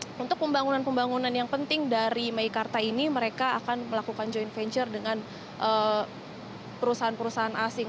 jadi mereka untuk pembangunan pembangunan yang penting dari mei karta ini mereka akan melakukan joint venture dengan perusahaan perusahaan asing